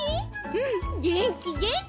うんげんきげんき。